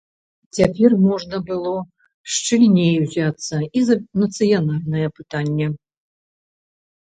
Цяпер можна было шчыльней узяцца і за нацыянальнае пытанне.